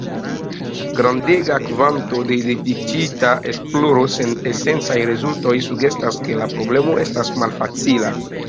Grandega kvanto de dediĉita esploro sen esencaj rezultoj sugestas ke la problemo estas malfacila.